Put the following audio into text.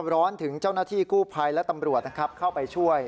ร้อนถึงเจ้าหน้าที่กู้ภัยและตำรวจนะครับเข้าไปช่วย